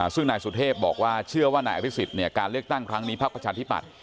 ซึ่งนายสุเทพบอกว่าเชื่อว่านายอภิษฎการเลือกตั้งครั้งนี้พักประชาธิปัตย